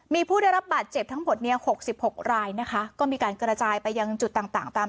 มีผู้ได้รับบาดเจ็บทั้งหมดเนี่ย๖๖รายนะคะก็มีการกระจายไปยังจุดต่างต่างตาม